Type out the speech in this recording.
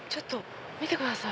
見てください。